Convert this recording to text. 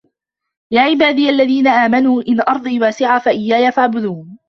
يا عِبادِيَ الَّذينَ آمَنوا إِنَّ أَرضي واسِعَةٌ فَإِيّايَ فَاعبُدونِ